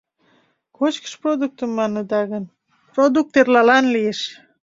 Кочкыш продуктым маныда гын, продукт эрлалан лиеш.